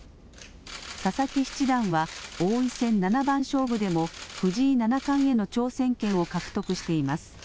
佐々木七段は王位戦七番勝負でも藤井七冠への挑戦権を獲得しています。